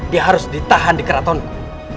dia harus ditahan di keratonku